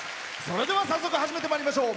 それでは早速始めてまいりましょう。